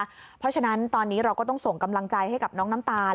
เพราะฉะนั้นตอนนี้เราก็ต้องส่งกำลังใจให้กับน้องน้ำตาล